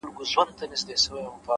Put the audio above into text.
• حساب ښه دی پر قوت د دښمنانو ,